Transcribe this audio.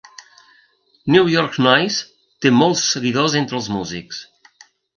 "New York Noise" té molts seguidors entre els músics.